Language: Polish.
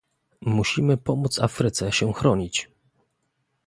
Musimy pomóc Afryce się chronić